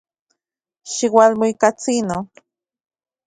Xiualmuikatsino.